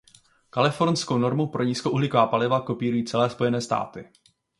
Kalifornskou normu pro nízkouhlíková paliva kopírují celé Spojené státy.